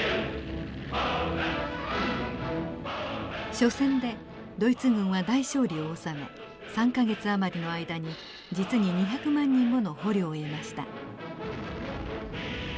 緒戦でドイツ軍は大勝利を収め３か月余りの間に実に２００万人もの捕虜を得ました。